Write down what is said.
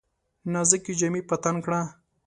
نازکي جامې په تن کړه !